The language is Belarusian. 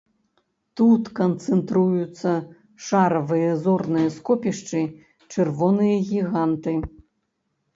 Тут канцэнтруюцца шаравыя зорныя скопішчы, чырвоныя гіганты.